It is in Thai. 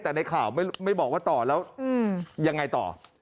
แต่ในข่าวไม่บอกว่าต่อแล้วยังไงต่อ